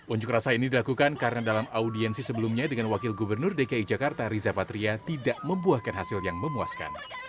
unjuk rasa ini dilakukan karena dalam audiensi sebelumnya dengan wakil gubernur dki jakarta riza patria tidak membuahkan hasil yang memuaskan